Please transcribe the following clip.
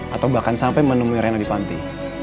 atau bahkan sampai menemui rena di panti